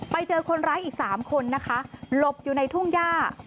ไปเจอคนร้ายอีก๓คนนะคะหลบอยู่ในทุ่งย่า